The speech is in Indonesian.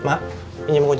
tidak ada yang bisa dikutuk